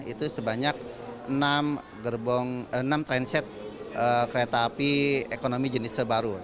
itu sebanyak enam transit kereta api ekonomi jenis terbaru